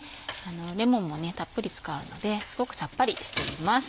レモンもたっぷり使うのですごくさっぱりしています。